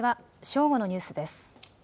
正午のニュースです。